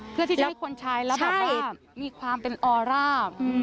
เพื่อที่จะให้คนใช้แล้วแบบว่ามีความเป็นออร่า